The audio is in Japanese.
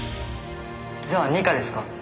じゃあ二課ですか？